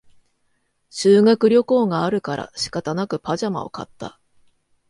修学旅行があるから仕方なくパジャマを買った